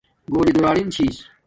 گھولی دولاریم چھس